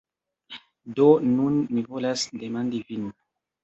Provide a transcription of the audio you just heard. Do, nun mi volas demandi vin